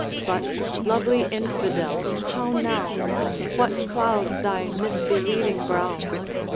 But, lovely infidel, how now? What clouds thy misbelieving brow?